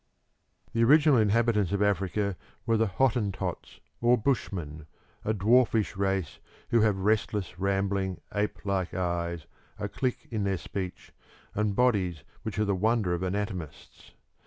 The original inhabitants of Africa were the Hottentots or Bushmen, a dwarfish race who have restless, rambling, ape like eyes, a click in their speech, and bodies which are the wonder of anatomists.